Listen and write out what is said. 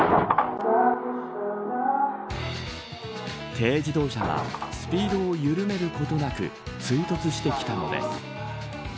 軽自動車がスピードを緩めることなく追突してきたのです。